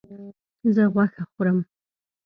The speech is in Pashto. زه غوښه خورم